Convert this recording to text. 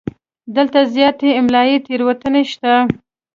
دلته زیاتې املایي تېروتنې شته.